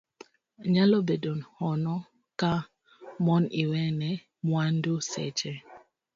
Nyalo bedo hono ka mon iwene mwandu seche